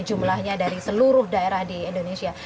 jumlahnya dari seluruh daerah di indonesia